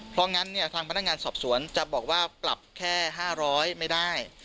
เพราะงั้นเนี่ยทางพนักงานสอบสวนจะบอกว่าปรับแค่๕๐๐ไม่ได้